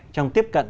trong tiếp cận